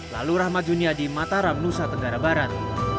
lalu rahmat junia di mataram nusa tenggara barat